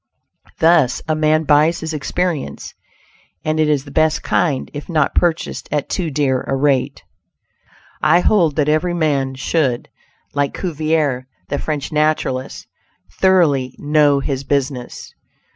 Thus a man buys his experience, and it is the best kind if not purchased at too dear a rate. I hold that every man should, like Cuvier, the French naturalist, thoroughly know his business.